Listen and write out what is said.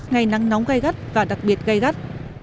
ngày nắng nóng gai gắt và đặc biệt gây gắt